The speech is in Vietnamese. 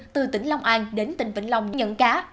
từ tỉnh long an đến tỉnh vĩnh long nhận cá